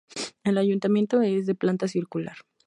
El ayuntamiento es de planta circular.